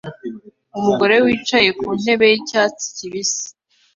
Umugore wicaye ku ntebe yicyatsi kibisi